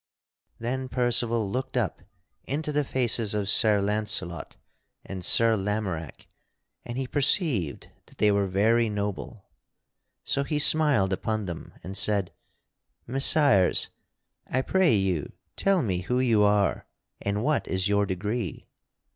Then Percival looked up into the faces of Sir Launcelot and Sir Lamorack and he perceived that they were very noble. So he smiled upon them and said: "Messires, I pray you tell me who you are and what is your degree."